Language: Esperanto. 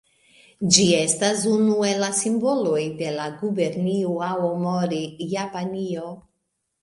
Ĝi estas unu el la simboloj de la Gubernio Aomori, Japanio.